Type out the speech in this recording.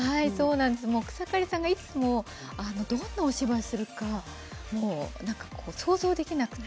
草刈さんがいつもどんなお芝居するか想像できなくて。